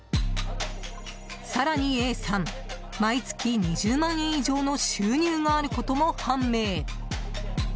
更にＡさん、毎月２０万円以上の収入があることも判明。